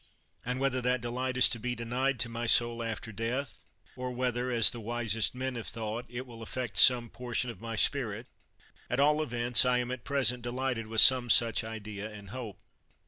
And whether that delight is to be denied to my soul after death, or whether, as the wisest men have thought, it will aflPect some portion of my spirit, at all events, I am at present delighted with some such idea and hope.